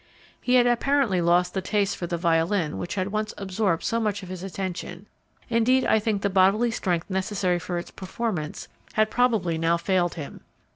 He had apparently lost the taste for the violin which had once absorbed so much of his attention; indeed I think the bodily strength necessary for its performance had probably now failed him.